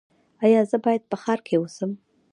ایا زه باید په ښار کې اوسم؟